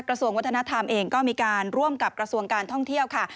กระทรวงวัฒนธรรมเองก็มีการร่วมกับกระทรวงการท่องเที่ยวค่ะ